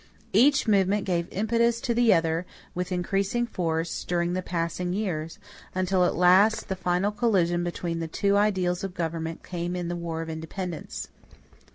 Each movement gave impetus to the other, with increasing force during the passing years, until at last the final collision between the two ideals of government came in the war of independence.